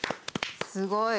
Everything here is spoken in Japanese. すごい。